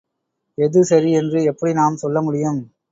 எது சரி என்று எப்படி நாம் சொல்லமுடியும்.